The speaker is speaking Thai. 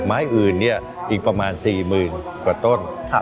ไม้อื่นเนี่ยอีกประมาณ๔หมื่นกว่าต้น